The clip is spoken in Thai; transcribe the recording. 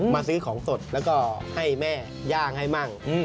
ซื้อของสดแล้วก็ให้แม่ย่างให้มั่ง